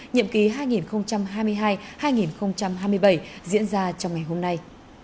nhiệm ký hai nghìn hai mươi hai hai nghìn hai mươi bảy diễn ra trong ngày hôm nay